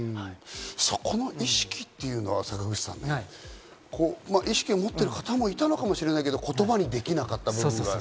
そこの意識っていうのは坂口さん、意識を持ってる方もいたのかもしれないけど、言葉にできなかった部分がある。